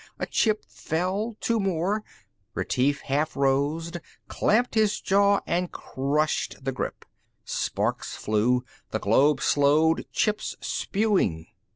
A chip fell, two more.... Retief half rose, clamped his jaw and crushed the grip. Sparks flew. The globe slowed, chips spewing.